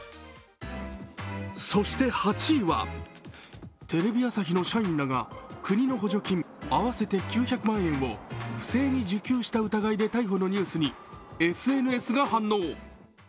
そして８位はテレビ朝日の社員らが国の補助金合わせて９００万円を不正に受給した疑いで逮捕のニュースにＳＮＳが反応。